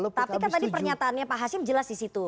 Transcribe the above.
tapi kan tadi pernyataannya pak hasim jelas di situ